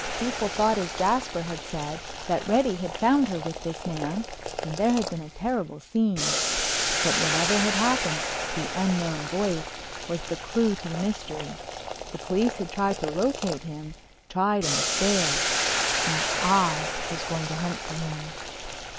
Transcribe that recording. People thought as Jasper had said, that Reddy had found her with this man and there had been a terrible scene. But whatever had happened the Unknown Voice was the clew to the mystery. The police had tried to locate him, tried and failed. Now I was going to hunt for him.